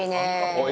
おい！